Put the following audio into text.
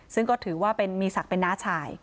ซึ่งก็ถือว่าเป็นมีศักดิ์เป็นน้าชาย